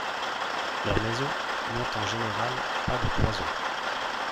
Leurs maisons n'ont en général pas de cloisons.